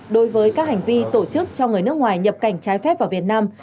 đối với các hành vi tổ chức cho người nước ngoài nhập cảnh trái phép vào việt nam